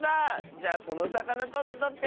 じゃそのさかなとってとって！